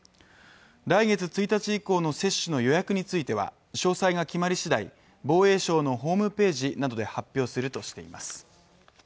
来月１日以降の接種の予約については詳細が決まり次第防衛省のホームページなどで発表するとしています